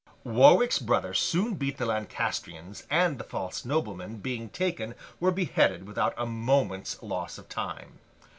Warwick's brother soon beat the Lancastrians, and the false noblemen, being taken, were beheaded without a moment's loss of time.